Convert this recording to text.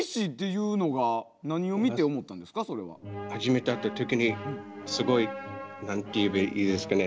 初めて会った時にすごい何て言えばいいですかね